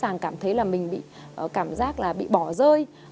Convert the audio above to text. rõ ràng cảm thấy là mình bị cảm giác là bị bỏ rơi